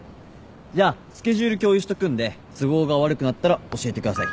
じゃあスケジュール共有しとくんで都合が悪くなったら教えてください。